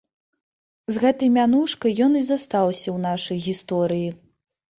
З гэтай мянушкай ён і застаўся ў нашай гісторыі.